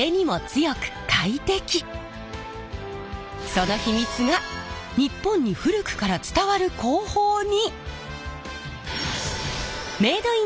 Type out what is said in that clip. その秘密が日本に古くから伝わる工法に！